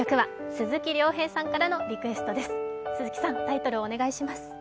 鈴木さん、タイトルをお願いします